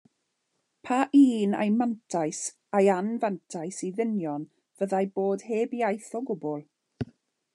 Pa un ai mantais ai anfantais i ddynion fyddai bod heb iaith o gwbl?